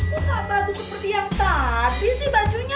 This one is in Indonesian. kok gak bagus seperti yang tadi si bajunya